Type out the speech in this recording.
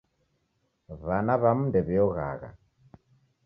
W'ana w'amu ndew'ioghagha